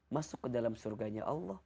masuk ke dalam surganya allah